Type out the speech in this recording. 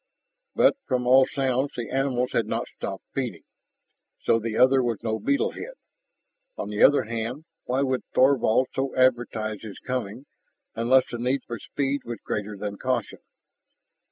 But from all sounds the animals had not stopped feeding. So the other was no beetle head. On the other hand, why would Thorvald so advertise his coming, unless the need for speed was greater than caution?